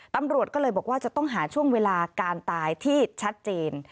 ตำรวจก็เลยบอกว่าจะต้องหาช่วงเวลาการตายที่ชัดเจน